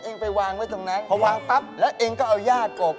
ไอ้งไปวางไว้ตรงนั้นเพราะวางปั๊บและเองก็เอาหญ้ากบ